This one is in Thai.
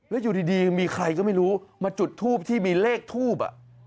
แล้วอยู่ดีมีใครก็ไม่รู้มาจุดทูปที่มีเลขทูบ